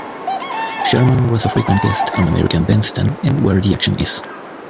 Sherman was a frequent guest on "American Bandstand" and "Where the Action Is".